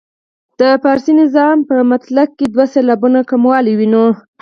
د فارسي نظم په مطلع کې دوه سېلابونه کموالی وینو.